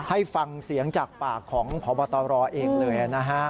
ให้ฟังเสียงจากปากของพบตรเองเลยนะฮะ